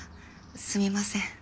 すみません。